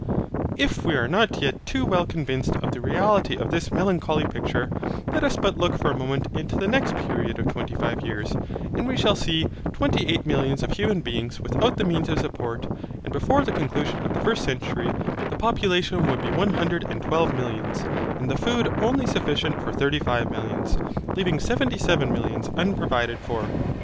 If we are not yet too well convinced of the reality of this melancholy picture, let us but look for a moment into the next period of twenty five years; and we shall see twenty eight millions of human beings without the means of support; and before the conclusion of the first century, the population would be one hundred and twelve millions, and the food only sufficient for thirty five millions, leaving seventy seven millions unprovided for.